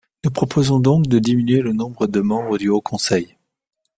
Nous proposons donc de diminuer le nombre de membres du Haut conseil.